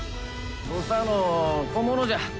土佐の小物じゃ。